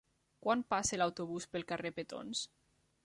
Quan passa l'autobús pel carrer Petons?